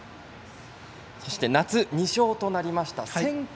そして夏２勝となりました。